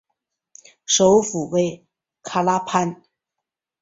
首府为卡拉潘。